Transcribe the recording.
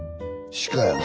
鹿やな。